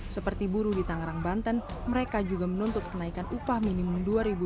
seperti buruh di tangerang banten mereka juga menuntut kenaikan upah minimum dua ribu dua puluh